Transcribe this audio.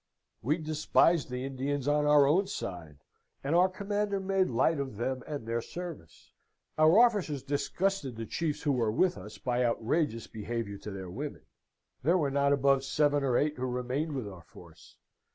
"We despised the Indians on our own side, and our commander made light of them and their service. Our officers disgusted the chiefs who were with us by outrageous behaviour to their women. There were not above seven or eight who remained with our force.